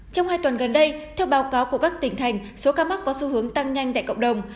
trong hai tuần gần đây theo báo cáo của các tỉnh thành số ca mắc có xu hướng tăng nhanh tại cộng đồng